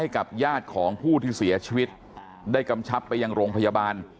ให้กับญาติของผู้ที่เสียชีวิตได้กำชับไปยังโรงพยาบาล